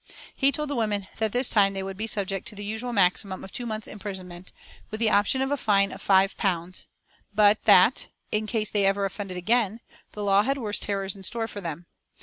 He told the women that this time they would be subject to the usual maximum of two months' imprisonment, with the option of a fine of five pounds, but that, in case they ever offended again, the law had worse terrors in store for them.